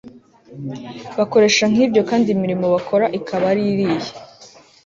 bakoresha nk ibyo kandi imirimo bakora ikaba ari iya